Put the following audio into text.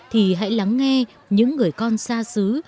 thì hãy lắng nghe những người con xa xứ